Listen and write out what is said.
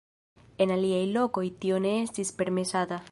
En aliaj lokoj tio ne estis permesata.